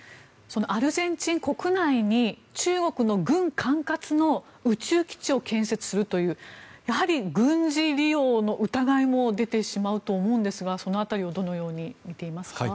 アルゼンチン国内に中国の軍管轄の宇宙基地を建設するというやはり軍事利用の疑いも出てしまうと思うんですがその辺りをどのように見ていますか。